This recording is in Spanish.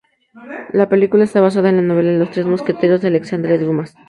La película está basada en la novela "Los tres mosqueteros" de Alexandre Dumas.